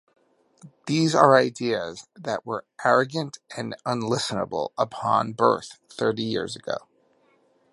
These are ideas that were arrogant and unlistenable upon birth thirty years ago.